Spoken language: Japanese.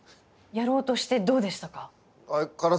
やろうとしてどうでしたか？